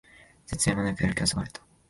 説明もなくやる気をそがれた